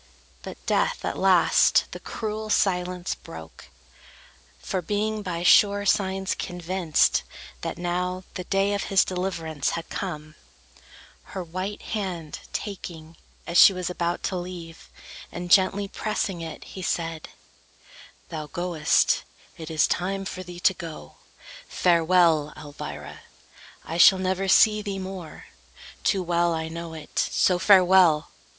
But death at last the cruel silence broke; For being by sure signs convinced, that now The day of his deliverance had come, Her white hand taking, as she was about To leave, and gently pressing it, he said: "Thou goest; it is time for thee to go; Farewell, Elvira! I shall never see Thee more; too well I know it; so, farewell!